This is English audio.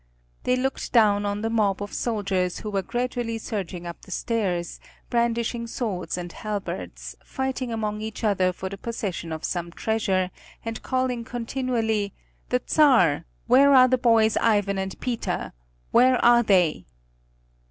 They looked down on the mob of soldiers who were gradually surging up the stairs, brandishing swords and halberds, fighting among each other for the possession of some treasure, and calling continually, "The Czar! Where are the boys Ivan and Peter? Where are they?"